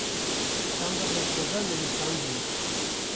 çanda me Kurda nivîsandiye